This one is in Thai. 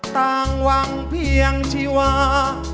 ต่างหวังเพียงชีวา